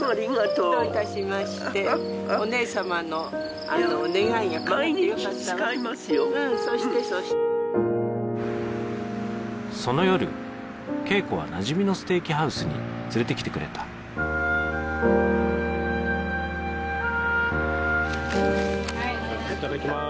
うんそうしてその夜桂子はなじみのステーキハウスに連れてきてくれたいただきます